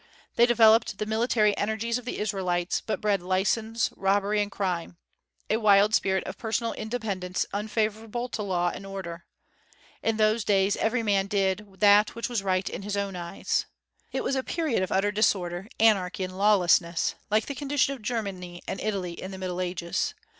They developed the military energies of the Israelites, but bred license, robbery, and crime, a wild spirit of personal independence unfavorable to law and order. In those days "every man did that which was right in his own eyes." It was a period of utter disorder, anarchy, and lawlessness, like the condition of Germany and Italy in the Middle Ages.